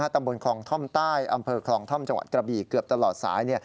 ตำบลคลองท่อมใต้อำเภอคลองท่อมจังหวัดกระบี่เกือบตลอดสาย